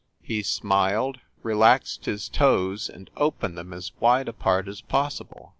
He smiled, re laxed his toes and opened them as wide apart as possible.